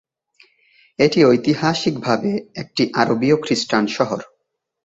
এটি ঐতিহাসিকভাবে একটি আরবীয় খ্রিস্টান শহর।